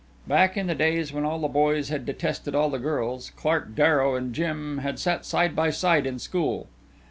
Back in the days when all the boys had detested all the girls, Clark Darrow and Jim had sat side by side in school.